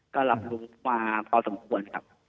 ก็รับรู้มาพอสมควรครับ